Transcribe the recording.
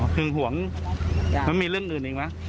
ถึงห่วงมันมีเรื่องอื่นอีกมั้ย